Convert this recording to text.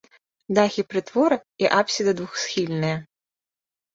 Дахі прытвора і апсіды двухсхільныя.